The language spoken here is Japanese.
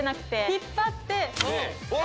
引っ張って。